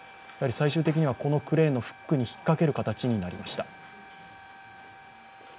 最終的にはこのクレーンに引っかける形になりました。